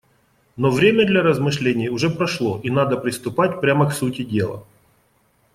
Но время для размышлений уже прошло, и надо приступать прямо к сути дела.